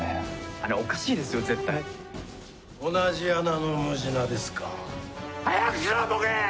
あれおかしいですよ絶対同じ穴のムジナですか早くしろボケ！